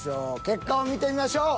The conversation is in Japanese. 結果を見てみましょう。